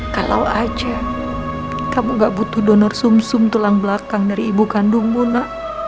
kalau aja kamu gak butuh donor sum sum tulang belakang dari ibu kandungmu nak